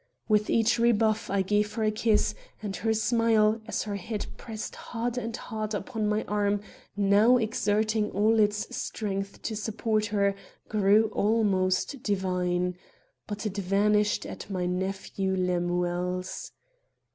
With each rebuff I gave her a kiss; and her smile, as her head pressed harder and harder upon my arm now exerting all its strength to support her, grew almost divine. But it vanished at my nephew Lemuel's.